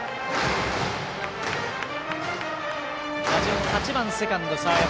打順、８番セカンド、澤山。